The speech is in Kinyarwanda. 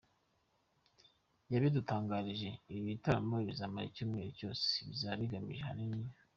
yabidutangarije, ibi bitaramo bizamara icyumweru cyose bizaba bigamije ahanini.